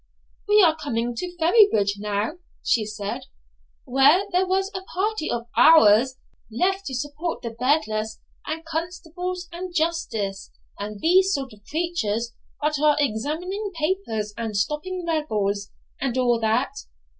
'We are coming to Ferrybridge now,' she said, 'where there was a party of OURS left to support the beadles, and constables, and justices, and these sort of creatures that are examining papers and stopping rebels, and all that.'